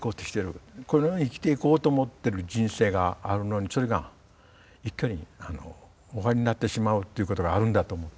このように生きていこうと思ってる人生があるのにそれが一挙に終わりになってしまうっていうことがあるんだと思った。